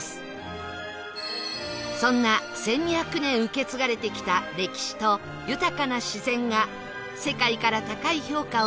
そんな１２００年受け継がれてきた歴史と豊かな自然が世界から高い評価を受け